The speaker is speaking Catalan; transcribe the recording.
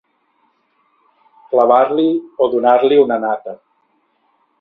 Clavar-li o donar-li una nata.